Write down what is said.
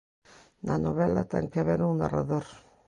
Na novela ten que haber un narrador.